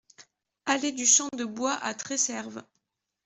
Allée du Champ de Bois à Tresserve